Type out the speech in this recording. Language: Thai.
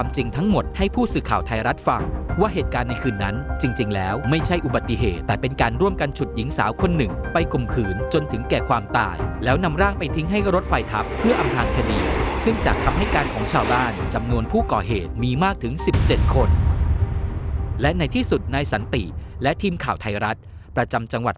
จริงทั้งหมดให้ผู้สื่อข่าวไทยรัฐฟังว่าเหตุการณ์ในคืนนั้นจริงแล้วไม่ใช่อุบัติเหตุแต่เป็นการร่วมกันฉุดหญิงสาวคนหนึ่งไปข่มขืนจนถึงแก่ความตายแล้วนำร่างไปทิ้งให้รถไฟทับเพื่ออำพลางคดีซึ่งจากคำให้การของชาวบ้านจำนวนผู้ก่อเหตุมีมากถึง๑๗คนและในที่สุดนายสันติและทีมข่าวไทยรัฐประจำจังหวัด